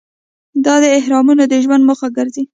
دا اهرامونه د ژوند موخه ګرځي.